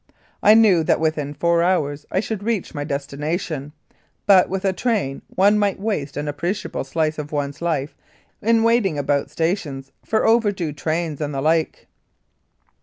I knew that within four hours I should reach my destina tion, but, with a train, one might waste an appreciable slice of one's life in waiting about stations for overdue trains and the like.